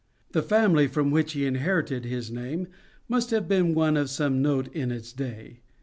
The family from which he inherited his name must have been one of some note in its day.